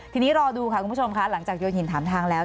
ทีนี้รอดูค่ะคุณผู้ชมค่ะหลังจากโยนหินถามทางแล้ว